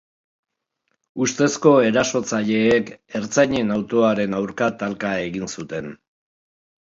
Ustezko erasotzaileek ertzainen autoaren aurka talka egin zuten.